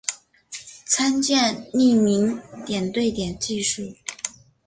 参见匿名点对点技术。